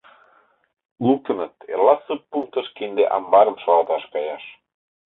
— Луктыныт: эрла ссыппунктыш кинде амбарым шалаташ каяш...